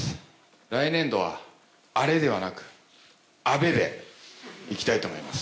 来年度はアレではなくアベでいきたいと思います。